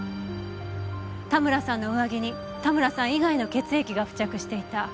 田村さんの上着に田村さん以外の血液が付着していた。